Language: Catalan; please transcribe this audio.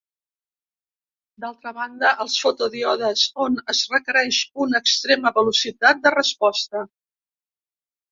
D'altra banda els fotodíodes on es requereix una extrema velocitat de resposta.